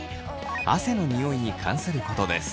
汗のニオイに関することです。